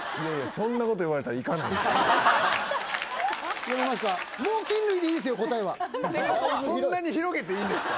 そんなこと言われたらいかないやめますか？